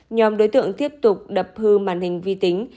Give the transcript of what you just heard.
nhóm đối tượng tiếp tục đập hư màn hình vi tính